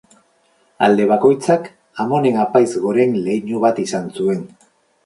Alde bakoitzak, Amonen Apaiz Goren leinu bat izan zuen.